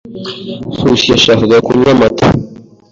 Nkusi yashakaga kunywa amata.